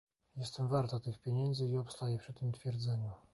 Jestem warta tych pieniędzy i obstaję przy tym twierdzeniu